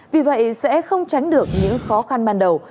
vì vậy sẽ không tránh được những khó khăn ban đầu